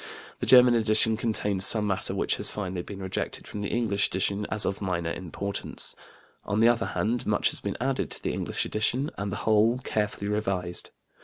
The German edition contains some matter which has finally been rejected from the English edition as of minor importance; on the other hand, much has been added to the English edition, and the whole carefully revised.